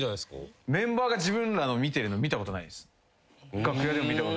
メンバーが自分らの見てるの見たことないです。